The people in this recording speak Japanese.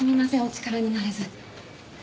お力になれず。